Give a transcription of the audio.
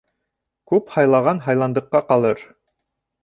Күп һайлаған һайландыҡҡа ҡалыр.